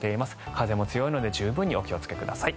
風も強いので十分にお気をつけください。